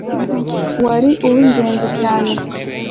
wa ari uw ingenzi cyane